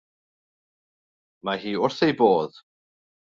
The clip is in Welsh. Mae hi wrth ei bodd.